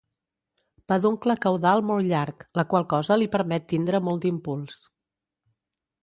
Peduncle caudal molt llarg, la qual cosa li permet tindre molt d'impuls.